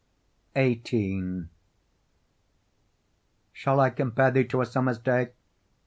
XVIII Shall I compare thee to a summer's day?